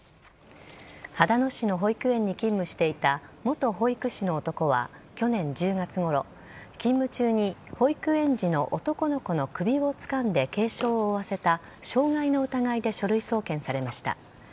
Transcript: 秦野市の保育園に勤務していた元保育士の男は去年１０月ごろ勤務中に保育園児の男の子の首をつかんで軽傷を負わせた傷害の疑いで書類送検されました。